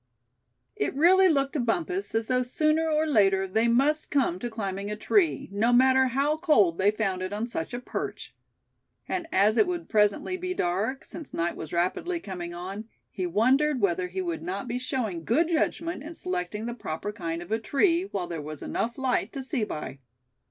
It really looked to Bumpus as though sooner or later they must come to climbing a tree, no matter how cold they found it on such a perch. And as it would presently be dark, since night was rapidly coming on, he wondered whether he would not be showing good judgment in selecting the proper kind of a tree, while there was enough light to see by.